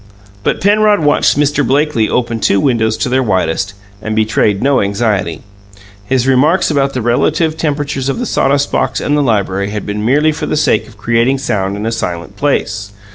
But Penrod watched Mr. Blakely open two windows to their widest, and betrayed no anxiety. His remarks upon the relative temperatures of the sawdust box and the library had been made merely for the sake of creating sound in a silent place.